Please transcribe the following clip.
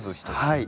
はい。